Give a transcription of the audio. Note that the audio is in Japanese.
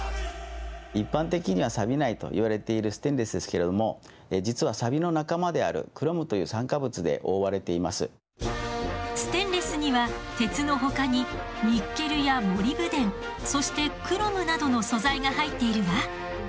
一般的にはサビないといわれているステンレスですけれども実はサビの仲間であるステンレスには鉄のほかにニッケルやモリブデンそしてクロムなどの素材が入っているわ。